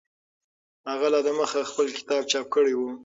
هغه لا دمخه خپل کتاب چاپ کړی و.